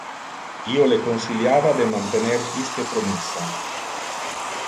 Io le consiliava de mantener iste promissa.